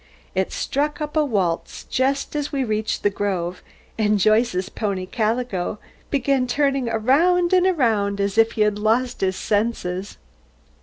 It struck up a waltz just as we reached the grove, and Joyce's pony, Calico, began turning around and around as if he had lost his senses.